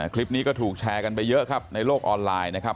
คลิปนี้ก็ถูกแชร์กันไปเยอะครับในโลกออนไลน์นะครับ